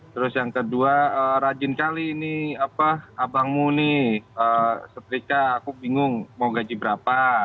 terus yang kedua rajin kali ini abangmu nih setrika aku bingung mau gaji berapa